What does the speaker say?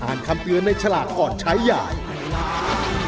อ่านคำเตือนในฉลากก่อนใช้อย่าง